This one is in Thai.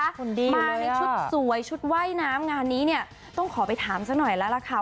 คนดีมาในชุดสวยชุดว่ายน้ำงานนี้เนี่ยต้องขอไปถามซะหน่อยแล้วล่ะค่ะ